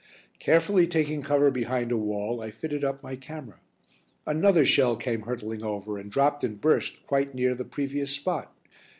Carefully taking cover behind a wall, I fitted up my camera. Another shell came hurtling over and dropped and burst quite near the previous spot.